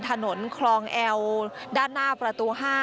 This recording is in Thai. ถนนคลองแอลด้านหน้าประตู๕